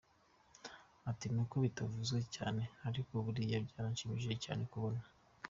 Ati “Ni uko bitavuzwe cyane ariko buriya byaranshimishije cyane kubona.